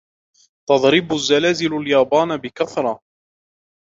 تضرب الزلازل اليابان بكثرة.